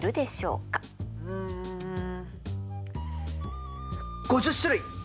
うん５０種類！